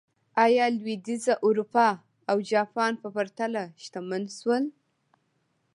ایا لوېدیځه اروپا او جاپان په پرتله شتمن شول.